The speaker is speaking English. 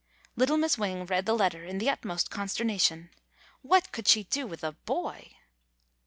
'^ Little Miss Wing read the letter in the ut most consternation. What could she do with a boy!